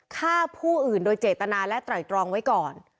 ฆ่าผู้อื่นโดยเจตนาและไตรตรองไว้ก่อน